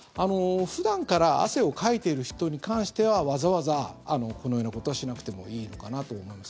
普段から汗をかいている人に関してはわざわざ、このようなことはしなくてもいいのかなと思います。